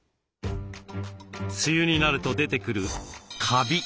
梅雨になると出てくるカビ。